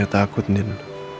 saya takut din